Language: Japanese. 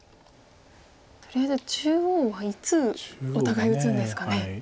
とりあえず中央はいつお互い打つんですかね。